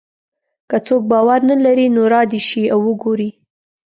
که څوک باور نه لري نو را دې شي او وګوري.